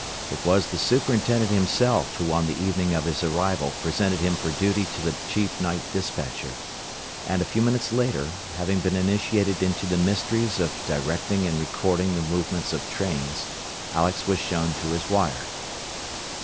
It was the superintendent himself who on the evening of his arrival presented him for duty to the chief night despatcher; and a few minutes later, having been initiated into the mysteries of directing and recording the movements of trains, Alex was shown to his wire.